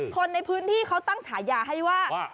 คนในพื้นที่เขาตั้งฉายาให้ว่า